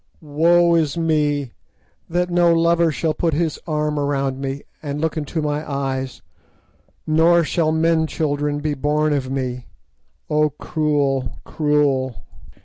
Woe is me, that no lover shall put his arm around me and look into my eyes, nor shall men children be born of me! Oh, cruel, cruel!"